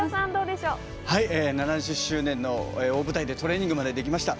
７０周年の大舞台でトレーニングまでできました。